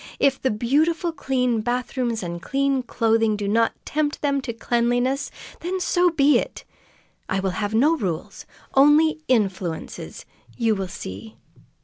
"If the beautiful clean bathrooms and clean clothing do not tempt them to cleanliness, then so be it! I will have no rules; only influences. You will see!"